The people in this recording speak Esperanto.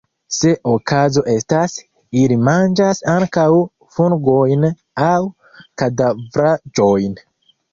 Se okazo estas, ili manĝas ankaŭ fungojn aŭ kadavraĵojn.